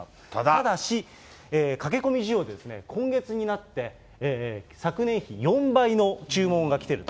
ただし、駆け込み需要で今月になって、昨年比４倍の注文が来てると。